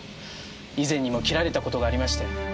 以前にも切られたことがありまして。